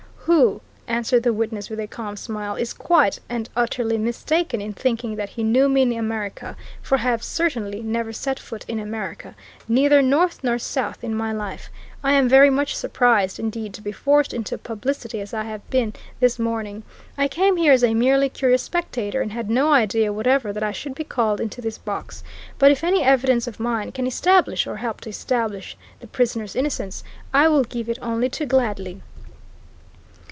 "Who," answered the witness with a calm smile, "is quite and utterly mistaken in thinking that he knew me in America, for I have certainly never set foot in America, neither North nor South, in my life! I am very much surprised indeed to be forced into publicity as I have been this morning I came here as a merely curious spectator and had no idea whatever that I should be called into this box. But if any evidence of mine can establish, or help to establish, the prisoner's innocence, I will give it only too gladly."